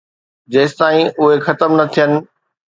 جيستائين اهي ختم نه ٿين